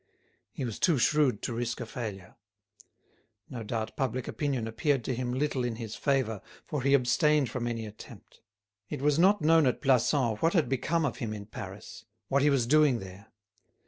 He was too shrewd to risk a failure. No doubt public opinion appeared to him little in his favour, for he abstained from any attempt. It was not known at Plassans what had become of him in Paris, what he was doing there.